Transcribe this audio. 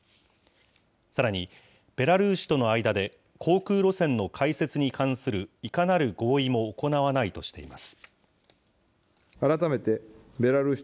さらに、ベラルーシとの間で、航空路線の開設に関するいかなる合意も行わないとしています。